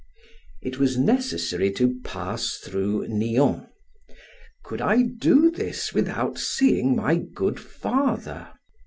It was necessary to pass through Nion: could I do this without seeing my good father?